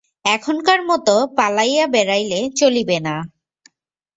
এখনকার মতো পালাইয়া বেড়াইলে চলিবে না।